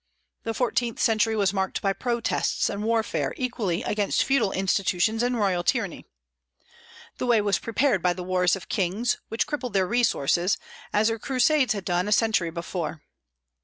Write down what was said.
The fourteenth century was marked by protests and warfare equally against feudal institutions and royal tyranny. The way was prepared by the wars of kings, which crippled their resources, as the Crusades had done a century before.